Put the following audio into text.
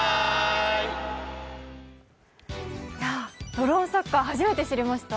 ドローンサッカー、初めて知りました。